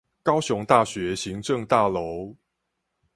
高雄大學行政大樓